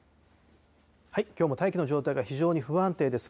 きょうも大気の状態が非常に不安定です。